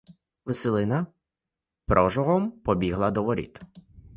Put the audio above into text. Василина прожогом побігла до воріт.